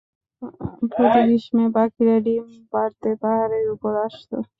প্রতি গ্রীষ্মে পাখিরা ডিম পাড়তে পাহাড়ের উপর আসত।